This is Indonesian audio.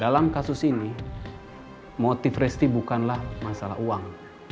dalam kasus ini motif resti bukanlah masalah uang